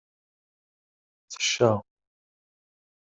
Tecca.